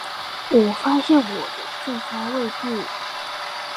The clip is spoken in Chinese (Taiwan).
我發現我的最佳位置